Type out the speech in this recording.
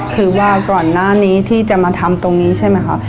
คือว่าก่อนหน้านี้ที่จะมาทำตรงนี้ใช่ไหมคะ